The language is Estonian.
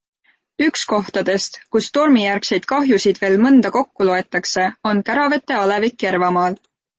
Üks kohtadest, kus tormijärgseid kahjusid veel mõnda kokku loetakse, on Käravete alevik Järvamaal.